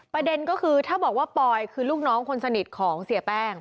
ประเด็นก็คือถ้าบอกว่าปอยคือลูกน้องคนสนิทของเสียแป้ง